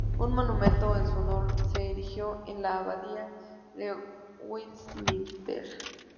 Un monumento en su honor se erigió en la Abadía de Westminster.